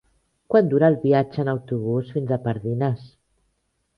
Quant dura el viatge en autobús fins a Pardines?